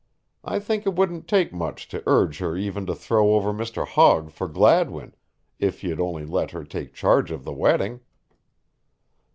I think it wouldn't take much to urge her even to throw over Mr. Hogg for Gladwin, if you'd only let her take charge of the wedding."